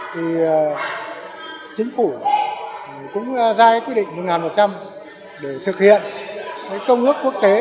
thì chính phủ cũng ra quy định một nghìn một trăm linh để thực hiện công ước quốc tế